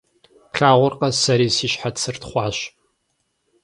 Плъагъуркъэ, сэри си щхьэцыр тхъуащ.